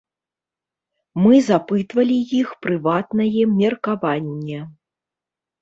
Мы запытвалі іх прыватнае меркаванне.